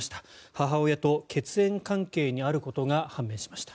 母親と血縁関係にあることが判明しました。